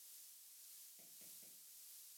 لکه د طاووس بڼکې چې چجه سوې وي.